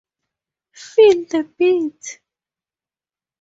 Feel the beat!